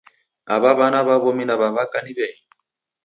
Aw'a w'ana w'a w'omi na w'a w'aka ni w'enyu?